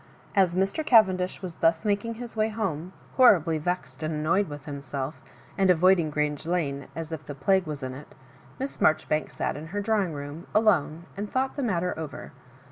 As Mr. Cavendish was thus making his way home, horribly vexed and annoyed with himsel'l^ and avoiding Grange Lane as if the plague was in it. Miss Maijoribanks sat in her drawing room lone, and thought the matter over.